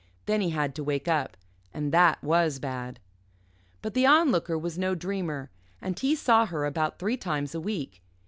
Then he had to wake up. And that was bad. But the Onlooker was no dreamer, and he saw her about three times a week.